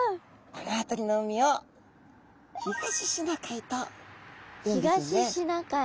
この辺りの海を東シナ海というんですね。